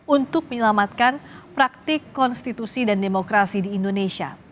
untuk menyelamatkan praktik konstitusi dan demokrasi di indonesia